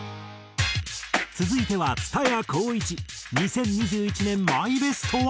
続いては蔦谷好位置２０２１年マイベストは。